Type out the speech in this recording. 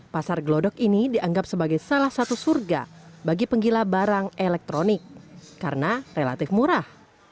pasar gelodok ini dianggap sebagai salah satu surga bagi penggila barang elektronik karena relatif murah